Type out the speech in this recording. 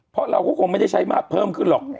เพราะเราก็คงไม่ได้ใช้มากเพิ่มขึ้นหรอก